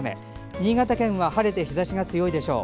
新潟県は晴れて日ざしが強いでしょう。